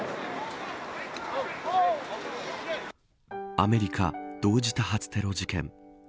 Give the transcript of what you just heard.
アメリカ同時多発テロ事件。